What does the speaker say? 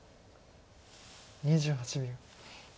２８秒。